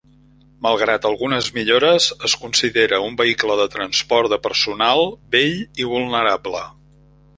Malgrat algunes millores, es considera un vehicle de transport de personal vell i vulnerable.